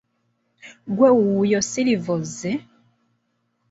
Ggwe wuuyo Silver ozze?